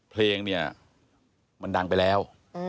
เพลงเนี่ยมันดังไปแล้ว